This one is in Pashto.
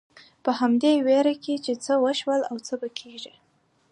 په همدې وېره کې چې څه وشول او څه به کېږي.